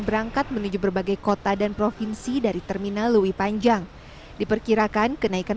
berangkat menuju berbagai kota dan provinsi dari terminal lewi panjang diperkirakan kenaikan